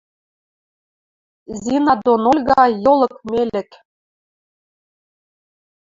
Зина дон Ольга — йолык-мелӹк